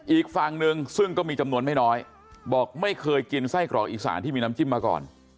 อีกฝั่งหนึ่งซึ่งก็มีจำนวนไม่น้อยบอกไม่เคยกินไส้กรอกอีสานที่มีน้ำจิ้มมาก่อน